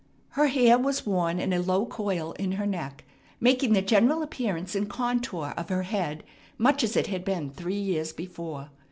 Her hair was worn in a low coil in her neck, making the general appearance and contour of her head much as it had been three years before.